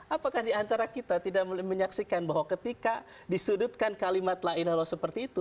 apakah di antara kita tidak menyaksikan bahwa ketika disudutkan kalimat la ilaha ilallah seperti itu